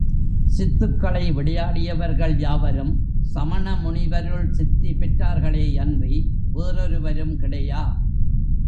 சித்துக்களை விளையாடியவர்கள் யாவரும் சமணமுனிவருள் சித்தி பெற்றோர்களேயன்றி வேறொருவரும் கிடையா.